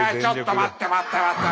待って待って待って本当に。